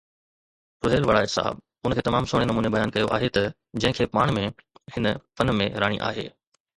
سهيل وڑائچ صاحب ان کي تمام سهڻي نموني بيان ڪيو آهي ته ”جنهن کي پاڻ به هن فن ۾ راڻي آهي.